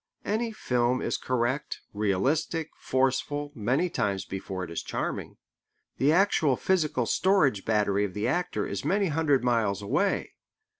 Any film is correct, realistic, forceful, many times before it is charming. The actual physical storage battery of the actor is many hundred miles away.